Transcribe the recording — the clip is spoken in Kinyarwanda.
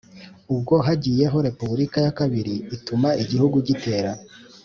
ubwo hagiyeho repubulika ya kabiri ituma igihugu gitera